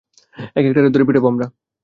একেকটারে ধরে ধরে পিটাবো আমরা!